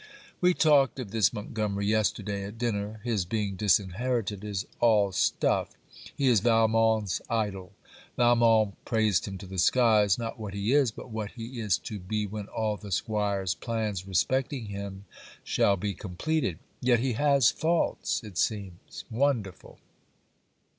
We talked of this Montgomery yesterday, at dinner. His being disinherited is all stuff. He is Valmont's idol. Valmont praised him to the skies, not what he is, but what he is to be when all the 'Squire's plans respecting him shall be completed. Yet he has faults, it seems. Wonderful!